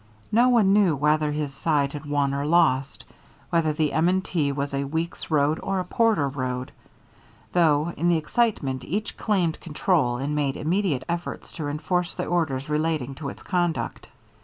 No one knew whether his side had won or lost, whether the M. & T. was a Weeks road or a Porter road, though in the excitement each claimed control and made immediate efforts to enforce orders relating to its conduct.